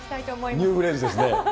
ニューフレーズですね。